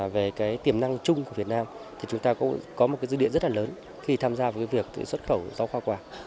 về tiềm năng chung của việt nam chúng ta có một dự định rất lớn khi tham gia việc xuất khẩu gió khoa quả